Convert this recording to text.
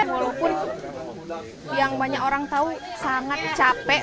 walaupun yang banyak orang tahu sangat capek